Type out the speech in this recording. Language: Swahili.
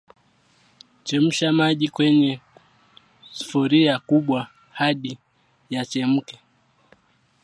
Chemsha maji kwenye sufuria kubwa hadi yachemke